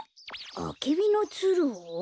アケビのツルを？